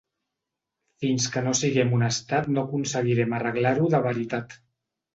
Fins que no siguem un estat no aconseguirem arreglar-ho de veritat.